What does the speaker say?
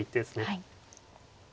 はい。